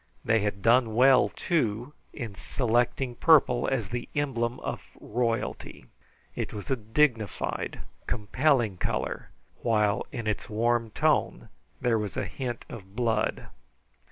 They had done well, too, in selecting purple as the emblem of royalty. It was a dignified, compelling color, while in its warm tone there was a hint of blood.